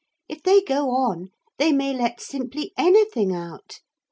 If they go on they may let simply anything out.